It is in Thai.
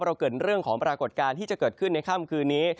เกิดเรื่องของปรากฏการณ์ที่จะเกิดขึ้นในค่ำคืนนี้